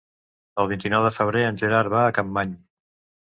El vint-i-nou de febrer en Gerard va a Capmany.